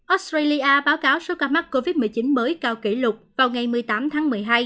australia báo cáo số ca mắc covid một mươi chín mới cao kỷ lục vào ngày một mươi tám tháng một mươi hai